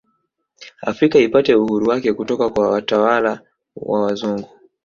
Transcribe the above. Afrika ipate uhuru wake kutoka kwa watwala wa wazungu